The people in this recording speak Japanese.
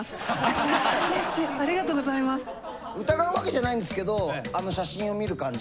疑うわけじゃないんですけどあの写真を見る感じ。